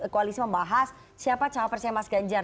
koalisi membahas siapa cawapresnya mas ganjar